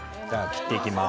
切っていきます。